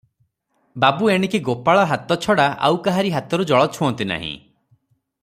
ବାବୁ ଏଣିକି ଗୋପାଳ ହାତ ଛଡ଼ା ଆଉ କାହାରି ହାତରୁ ଜଳ ଛୁଅଁନ୍ତି ନାହିଁ ।